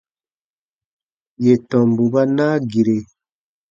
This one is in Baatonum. Yè tɔmbu ba naa gire.